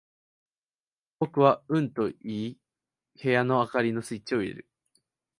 僕はうんと言い、部屋の灯りのスイッチを入れる。